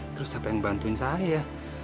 terus siapa yang bantuin saya